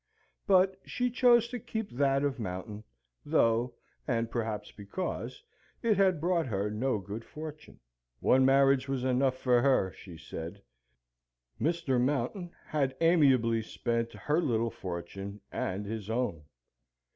But she chose to keep that of Mountain, though, and perhaps because, it had brought her no good fortune. One marriage was enough for her, she said. Mr. Mountain had amiably spent her little fortune and his own.